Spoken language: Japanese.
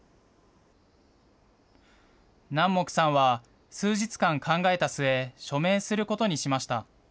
南木さんは数日間考えた末、署名することにしました。